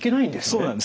そうなんです。